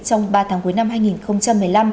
trong ba tháng cuối năm hai nghìn một mươi năm